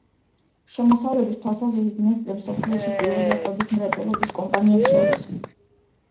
შემოსავლების თვალსაზრისით, ნესტლე მსოფლიოში პირველია კვების მრეწველობის კომპანიებს შორის.